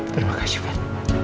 terima kasih mas